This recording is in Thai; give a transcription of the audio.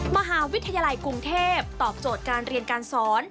มหาวิทยาลัยกรุงเทพตอบโจทย์การเรียนการสอน